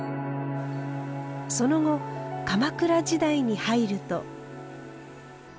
その後鎌倉時代に入ると。